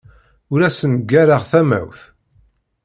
Ur asen-ggareɣ tamawt.